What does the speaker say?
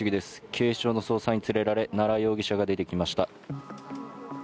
警視庁の捜査員に連れられ奈良容疑者が出てきました。